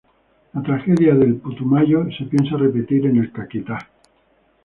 La tragedia del Putumayo se piensa repetir en el Caquetá.